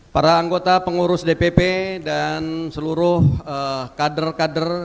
para anggota pengurus dpp dan seluruh kader kader